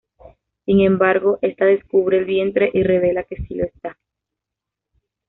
Sin embargo, esta descubre el vientre y revela que sí lo está.